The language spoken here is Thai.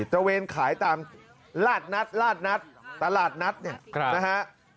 ตระเวนขายตามลาดนัดตลาดนัดนี่นะฮะ